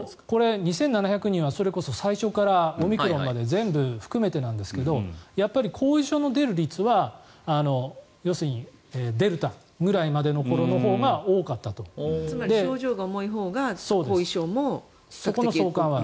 ２７００人はそれこそ最初からオミクロンまで全部含めてなんですがやっぱり後遺症の出る率は要するにデルタぐらいまでの頃のほうがつまり症状が重いほうが相関はある。